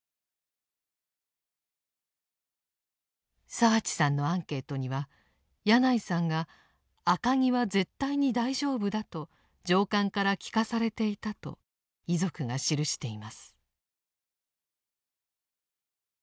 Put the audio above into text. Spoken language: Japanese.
澤地さんのアンケートには矢内さんが「赤城は絶対に大丈夫だ」と上官から聞かされていたと遺族が記しています。